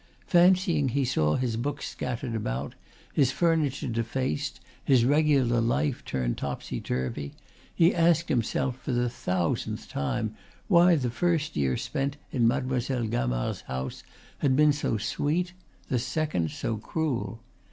Fancying he saw his books scattered about, his furniture defaced, his regular life turned topsy turvy, he asked himself for the thousandth time why the first year spent in Mademoiselle Gamard's house had been so sweet, the second so cruel.